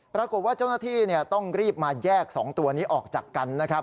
ปรากฏว่าเจ้าหน้าที่ต้องรีบมาแยก๒ตัวนี้ออกจากกันนะครับ